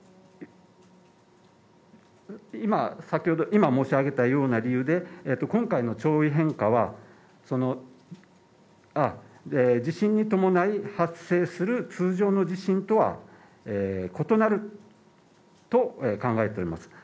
先ほど、今申し上げたような理由で今回の潮位変化は、地震に伴い発生する通常の地震とは異なると考えております。